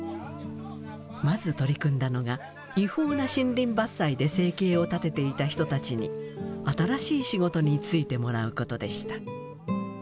まず取り組んだのが違法な森林伐採で生計を立てていた人たちに新しい仕事に就いてもらうことでした。